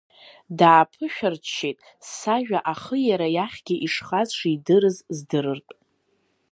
Дааԥышәырччеит, сажәа ахы иара иахьгьы ишхаз шидырыз здырыртә.